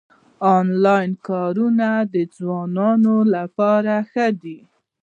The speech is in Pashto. انلاین کارونه د ځوانانو لپاره ښه دي